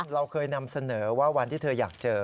เราเคยนำเสนอว่าวันที่เธออยากเจอ